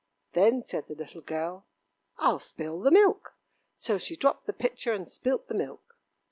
"Then," said the little girl, "I'll spill the milk." So she dropped the pitcher and spilt the milk.